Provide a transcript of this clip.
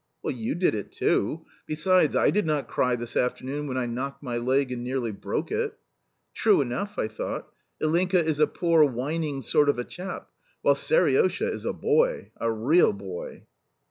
"Well, you did it too! Besides, I did not cry this afternoon when I knocked my leg and nearly broke it." "True enough," I thought. "Ilinka is a poor whining sort of a chap, while Seriosha is a boy a REAL boy."